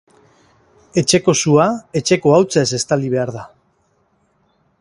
Etxeko sua etxeko hautsez estali behar da.